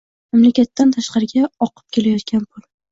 Mamlakatdan tashqariga oqib ketayotgan pul